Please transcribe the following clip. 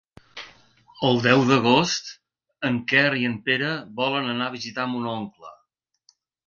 El deu d'agost en Quer i en Pere volen anar a visitar mon oncle.